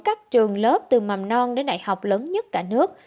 các trường lớp từ mầm non đến đại học lớn nhất cả nước